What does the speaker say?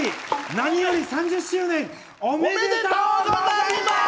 何より３０周年おめでとうございます！